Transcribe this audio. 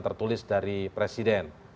tertulis dari presiden